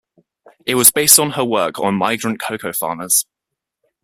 It was based on her work on migrant cocoa farmers.